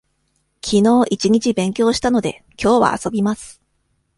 きのう一日勉強したので、きょうは遊びます。